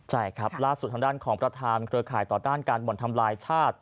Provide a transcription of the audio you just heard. ใช่ครับล่าสุดทางด้านของประธานเครือข่ายต่อต้านการบ่อนทำลายชาติ